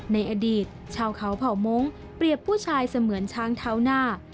ในอดีตชาวเขาเผ่ามงค์เปรียบผู้ชายเสมือนช้างเท้าหน้า